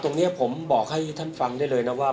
ตรงนี้ผมบอกให้ท่านฟังได้เลยนะว่า